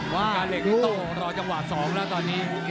การเหล็กนี่โต้รอจังหวะ๒แล้วตอนนี้